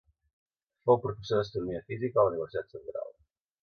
Fou professor d'Astronomia Física a la Universitat Central.